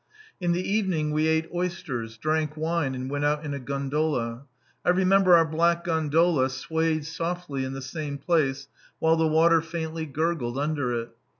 In the evening we ate oysters, drank wine, and went out in a gondola. I remember our black gondola swayed softly in the same place while the water faintly gurgled under it.